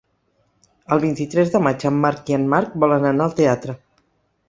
El vint-i-tres de maig en Marc i en Marc volen anar al teatre.